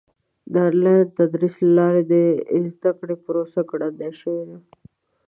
د آنلاین تدریس له لارې د زده کړې پروسه ګړندۍ شوې ده.